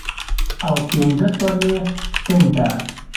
او پنځه څلوېښت سنټه